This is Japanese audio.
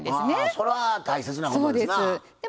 それは大切なことですな。